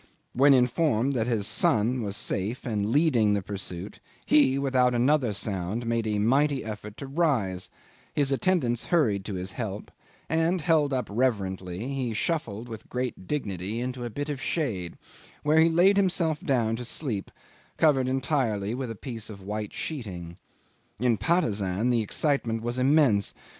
When informed that his son was safe and leading the pursuit, he, without another sound, made a mighty effort to rise; his attendants hurried to his help, and, held up reverently, he shuffled with great dignity into a bit of shade, where he laid himself down to sleep, covered entirely with a piece of white sheeting. In Patusan the excitement was intense.